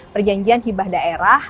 perjanjian hiba daerah